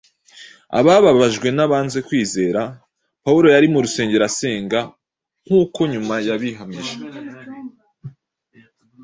Ababajwe n’abanze kwizera, Pawulo yari mu rusengero asenga nk’uko nyuma yabihamije,